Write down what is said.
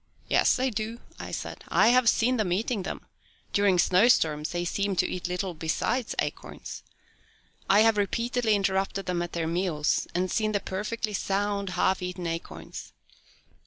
"Yes they do," I said. "I have seen them eating them. During snowstorms they seem to eat little besides acorns. I have repeatedly interrupted them at their meals, and seen the perfectly sound, half eaten acorns.